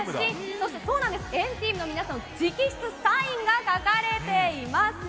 そして、＆ＴＥＡＭの皆さんの直筆サインも書かれています。